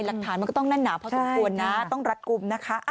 หลักฐานมันก็ต้องงั้นหนาวเพราะสิ่งควรต้องรัดกลุ่ม